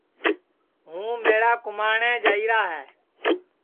ہُُوں میݪا کُماٹؔیں جائیرا ہے